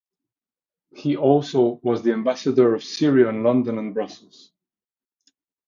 He also was the ambassador of Syria in London and Brussels.